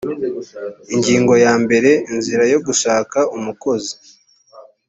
ingingo ya mbere inzira yo gushaka umukozi